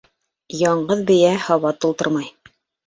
Яңғыҙ бейә һаба тултырмай.